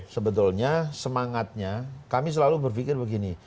sebetulnya semangatnya kami selalu berpikir begini